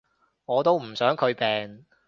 我都唔想佢病